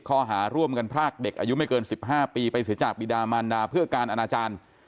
ข้อหาร่วมกันพรากเด็กอายุไม่เกิน๑๕ปีไปเสียจากบิดามันดาเพื่อการอนาจารย์